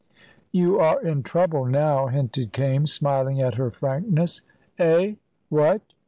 "You are in trouble now," hinted Kaimes, smiling at her frankness. "Eh! What?